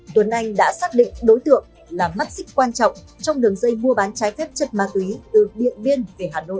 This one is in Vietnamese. tuấn anh đã xác định đối tượng là mắt xích quan trọng trong đường dây mua bán trái phép chất ma túy từ điện biên về hà nội